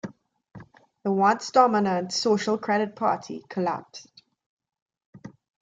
The once-dominant Social Credit Party collapsed.